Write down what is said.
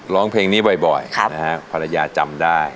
ร้องเพลงนี้บ่อยนะฮะภรรยาจำได้